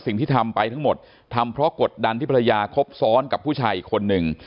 สิ่งที่ทำไปทั้งหมดทำเพราะกดดันที่ภรรยาครบซ้อนกับผู้ชายอีกคนนึง